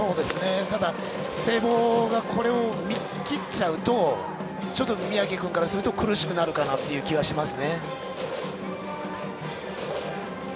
ただ聖望がこれを見切っちゃうとちょっと宮城君からすると苦しくなるかなという気がします。